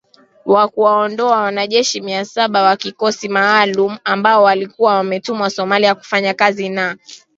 wa kuwaondoa wanajeshi mia saba wa kikosi maalum ambao walikuwa wametumwa Somalia kufanya kazi na